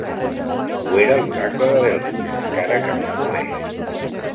Ho era l'oracle de Delfos, encara que no fumés.